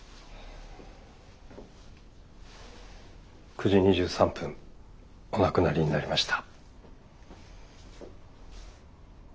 ９時２３分お亡くなりになりました。